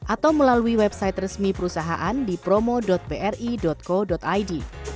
atau melalui website resmi perusahaan di promo bri co id